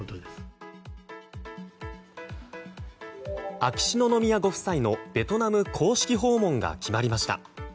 秋篠宮ご夫妻のベトナム公式訪問が決まりました。